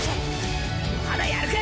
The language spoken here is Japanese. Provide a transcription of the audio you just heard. まだやるか！？